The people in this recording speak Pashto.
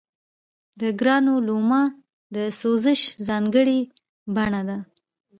د ګرانولوما د سوزش ځانګړې بڼه ده.